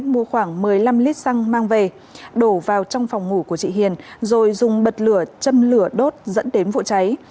mua khoảng một mươi năm lít xăng mang về đổ vào trong phòng ngủ của chị hiền rồi dùng bật lửa châm lửa đốt dẫn đến vụ cháy